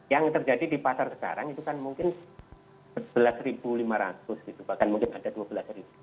yang terjadi di pasar sekarang itu kan mungkin sebelas lima ratus gitu bahkan mungkin ada dua belas